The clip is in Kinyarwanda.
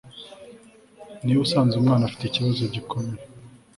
niba usanze umwana afite ikibazo gikomeye